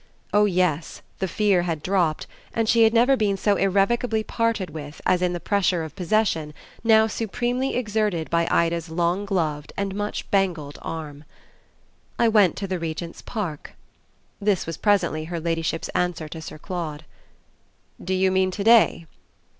Oh yes, the fear had dropped, and she had never been so irrevocably parted with as in the pressure of possession now supremely exerted by Ida's long gloved and much bangled arm. "I went to the Regent's Park" this was presently her ladyship's answer to Sir Claude. "Do you mean to day?"